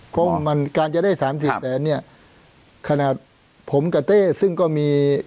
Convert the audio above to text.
เพราะมันการจะได้สามสี่แสนเนี่ยขนาดผมกับเต้ซึ่งก็มี